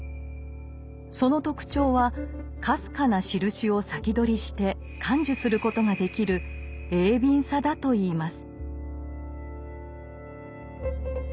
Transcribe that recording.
その特徴はかすかなしるしを先取りして感受することができる鋭敏さだといいます。